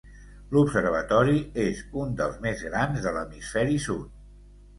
L'observatori és un dels més grans de l'Hemisferi Sud.